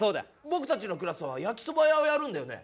ぼくたちのクラスは焼きそば屋をやるんだよね。